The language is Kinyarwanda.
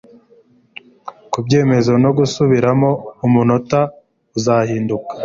Kubyemezo no gusubiramo umunota uzahinduka.